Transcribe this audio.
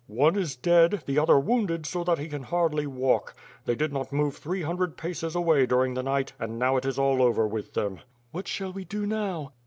"One is dead; the other wounded so that he can hardly walk. They did not move three hundred paces away during the night, and now it is all over with them." "What shall we do now?"